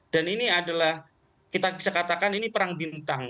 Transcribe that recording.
dan ini adalah kita bisa katakan ini perang bintang